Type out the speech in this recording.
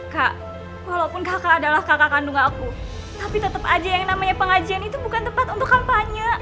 kak walaupun kakak adalah kakak kandung aku tapi tetap aja yang namanya pengajian itu bukan tempat untuk kampanye